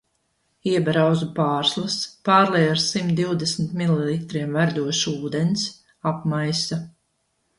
Ieber auzu pārslas, pārlej ar simt divdesmit mililitriem verdoša ūdens, apmaisa.